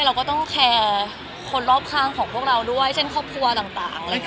เราก็ต้องแคร์คนรอบข้างของพวกเราด้วยเช่นครอบครัวต่าง